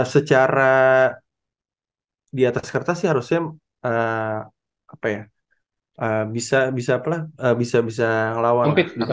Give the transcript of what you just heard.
secara di atas kertas sih harusnya bisa ngelawan